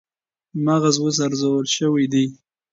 مغز اوس ارزول شوی دی